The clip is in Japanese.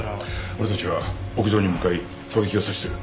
俺たちは屋上に向かい狙撃を阻止する。